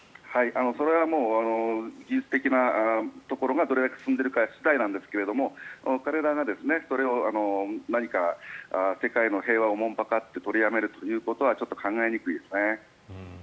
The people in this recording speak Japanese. それは技術的なところがどれだけ進んでいるか次第なんですが彼らがそれを世界の平和を慮って取りやめるということはちょっと考えにくいですね。